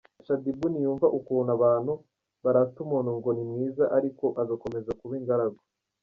Shadyboo ntiyumva ukuntu abantu barata umuntu ngo ni mwiza ariko agakomeza kuba ingaragu.